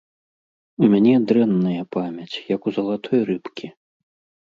У мяне дрэнная памяць, як у залатой рыбкі.